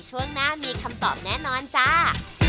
ช่วงหน้ามีคำตอบแน่นอนจ้า